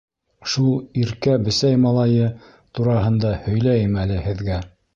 Шул иркә бесәй малайы тураһында һөйләйем әле һеҙгә.